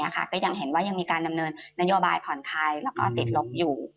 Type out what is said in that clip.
ก็ยังเห็นว่ายังมีการดำเนินนโยบายผ่อนคลายแล้วก็ติดลบอยู่